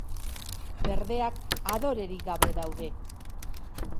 Berdeak adorerik gabe daude.